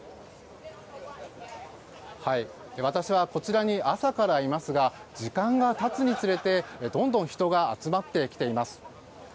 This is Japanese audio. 私はこちらに朝からいますが時間が経つにつれて、どんどん人が集まってきています。